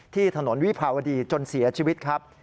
ที่ถนนวิภาวดีจนเสียชีวิตครับ